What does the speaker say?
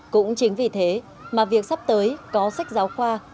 cũng chính vì thế mà việc sắp tới có sách giáo khoa